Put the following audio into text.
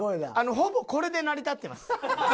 ほぼこれで成り立ってます。